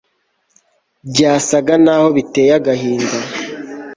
Byasaga naho biteye agahinda